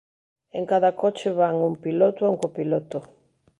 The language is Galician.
En cada coche van un piloto e un copiloto.